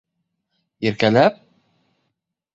— Иркәләп?!